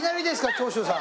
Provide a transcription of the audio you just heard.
長州さん